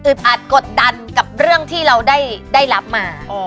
อาจกดดันกับเรื่องที่เราได้รับมา